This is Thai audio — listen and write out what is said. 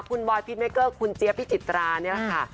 คุณบอยพิษเมเกอร์คุณเจี๊ยพิจิตรานี่แหละค่ะ